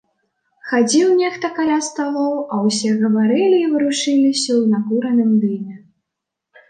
Хадзіў нехта каля сталоў, а ўсе гаварылі і варушыліся ў накураным дыме.